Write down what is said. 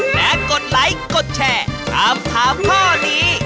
และกดไลค์กดแชร์ถามถามข้อนี้